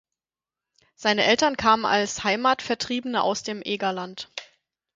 Seine Eltern kamen als Heimatvertriebene aus dem Egerland.